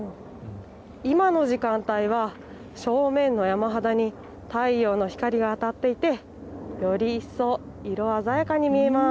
今の時間帯は正面の山肌に太陽の光が当たっていてより一層、色鮮やかに見えます。